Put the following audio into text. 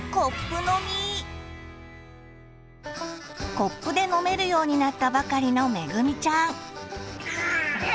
コップで飲めるようになったばかりのめぐみちゃん。